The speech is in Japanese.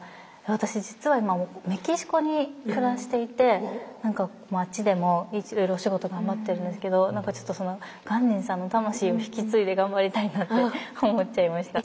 私実は今メキシコに暮らしていてあっちでもお仕事頑張ってるんですけど何かちょっと鑑真さんの魂を引き継いで頑張りたいなって思っちゃいました。